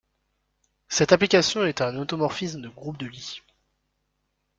Cette application est un automorphisme de groupe de Lie.